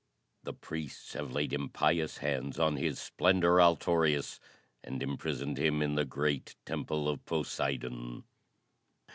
The priests have laid impious hands on His Splendor, Altorius, and imprisoned him in the great temple of Poseidon.